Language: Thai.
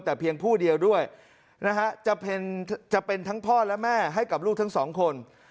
แต่เพียงผู้เดียวด้วยนะฮะจะเป็นทั้งพ่อและแม่ให้กับลูกทั้งสองคน